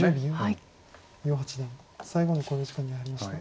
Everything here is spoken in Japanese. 余八段最後の考慮時間に入りました。